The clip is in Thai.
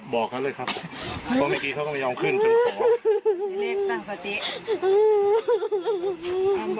บอกเขาเลยครับเพราะเมื่อกี้เขาก็ไม่ยอมขึ้นจึงขอ